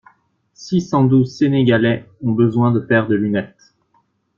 Six cent douze sénégalais ont besoin de paires de lunettes.